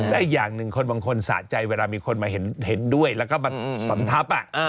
และอีกอย่างหนึ่งคนบางคนสะใจเวลามีคนมาเห็นด้วยแล้วก็มาสำทับ